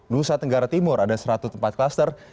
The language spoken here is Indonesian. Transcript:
nusa tenggara timur ada satu ratus empat klaster